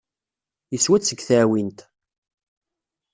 Yeswa-d seg teɛwint.